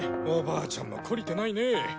おばあちゃんも懲りてないね